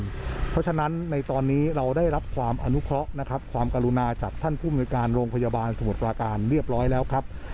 เพราะฉะนั้นในตอนนี้เราได้รับความอนุเคราะห์นะครับความกรุณาจากท่านผู้มนุยการโรงพยาบาลสมุทรปราการเรียบร้อยแล้วครับ